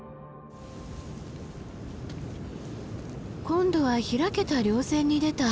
今度は開けた稜線に出た。